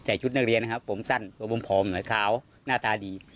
ชุดนักเรียนนะครับผมสั้นตัวผมผอมหรือขาวหน้าตาดี